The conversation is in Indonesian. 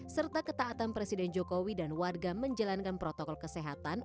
serta ketaatan presiden jokowi dan warga menjalankan protokol kesehatan